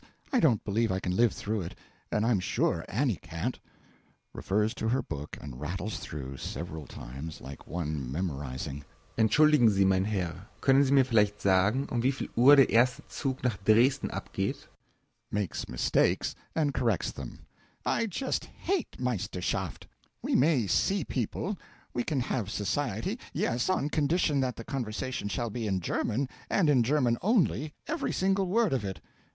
I don't believe I can live through it, and I'm sure Annie can't. (Refers to her book, and rattles through, several times, like one memorising:) Entschuldigen Sie, mein Herr, konnen Sie mir vielleicht sagen, um wie viel Uhr der erste Zug nach Dresden abgeht? (Makes mistakes and corrects them.) I just hate Meisterschaft! We may see people; we can have society; yes, on condition that the conversation shall be in German, and in German only every single word of it!